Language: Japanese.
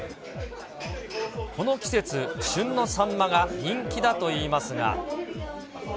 この季節、旬のサンマが人気だといいますが。